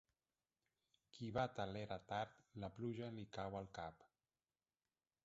Qui bat a l'era tard, la pluja li cau al cap.